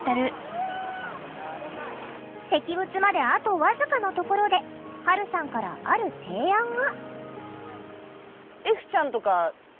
石仏まであと僅かのところではるさんからある提案が。